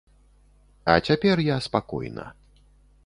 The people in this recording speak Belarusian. А цяпер я спакойна.